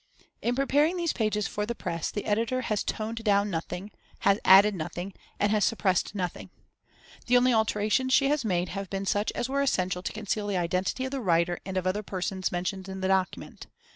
In preparing these pages for the press, the editor has toned down nothing, has added nothing, and has suppressed nothing. The only alterations she has made have been such as were essential to conceal the identity of the writer and of other persons mentioned in the document.